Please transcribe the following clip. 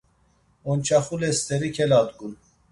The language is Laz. Onçaxule st̆eri keladgun.